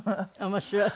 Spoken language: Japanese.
面白い。